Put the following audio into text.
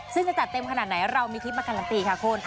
ซึ่งจะจัดเต็มขนาดไหนเรามีคลิปมาการันตีค่ะคุณ